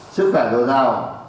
sức khỏe rõ rào